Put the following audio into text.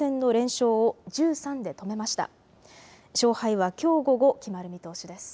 勝敗はきょう午後、決まる見通しです。